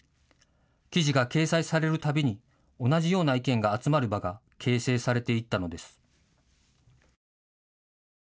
記事が掲載されるたびに同じような意見が集まる場が形成されていったのです。